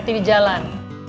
hati hati di jalan